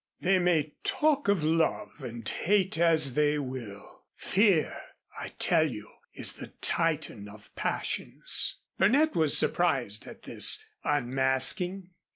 They may talk of love and hate as they will; fear, I tell you, is the Titan of passions." Burnett was surprised at this unmasking.